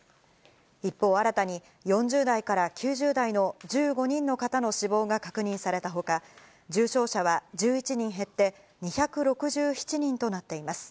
一方、新たに４０代から９０代の１５人の方の死亡が確認されたほか、重症者は１１人減って２６７人となっています。